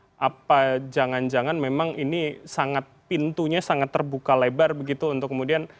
bersama dengan p tiga apa jangan jangan memang ini sangat pintunya sangat terbuka lebar begitu untuk kemudian